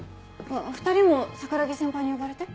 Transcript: ２人も桜樹先輩に呼ばれて？